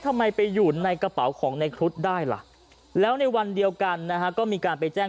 ทำไมไปอยู่ในกระเป๋าของในครุฑได้ล่ะแล้วในวันเดียวกันนะฮะก็มีการไปแจ้ง